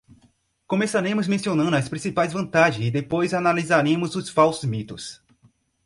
Começaremos mencionando as principais vantagens e depois analisaremos os falsos mitos.